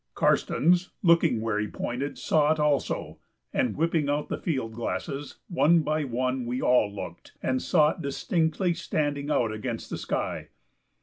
Karstens, looking where he pointed, saw it also, and, whipping out the field glasses, one by one we all looked, and saw it distinctly standing out against the sky.